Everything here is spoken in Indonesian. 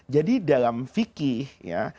jadi dalam fikih ya